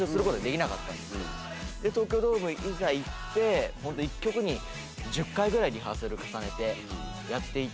で東京ドームいざ行って１曲に１０回ぐらいリハーサル重ねてやって行って。